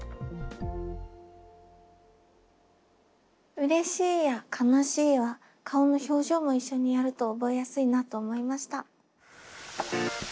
「うれしい」や「悲しい」は顔の表情も一緒にやると覚えやすいなと思いました。